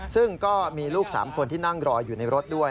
ซึ่งก็มีลูก๓คนที่นั่งรออยู่ในรถด้วย